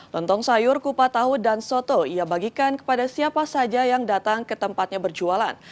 lontong sayur kupat tahu dan soto ia bagikan kepada siapa saja yang datang ke tempatnya berjualan